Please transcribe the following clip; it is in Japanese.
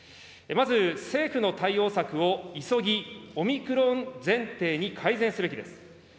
まず政府の対応策を急ぎオミクロン前提に改善すべきです。